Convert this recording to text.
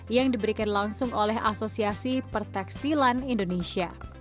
yang diberikan langsung oleh asosiasi pertekstilan indonesia